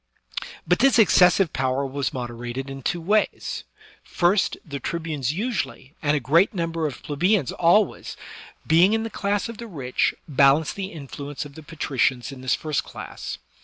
But this excessive power was moderated in two ways: first, the tribunes usually, and a great number of plebeians always, being in the class of the rich, balanced the in fluence of the patricians in this first class.